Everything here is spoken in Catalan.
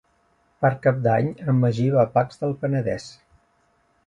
Per Cap d'Any en Magí va a Pacs del Penedès.